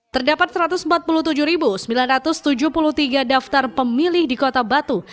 terdapat satu ratus empat puluh tujuh sembilan ratus tujuh puluh tiga daftar pemilih di kota batu